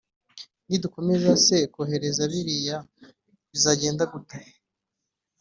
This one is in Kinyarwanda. nidukomeza se kohereza biriya bizagenda gute